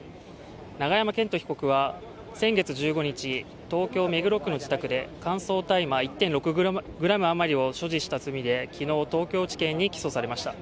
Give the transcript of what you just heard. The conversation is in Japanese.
永山絢斗被告は先月１５日東京・目黒区の自宅で乾燥大麻１．６ｇあまりを所持した罪で昨日、東京地検に起訴されました。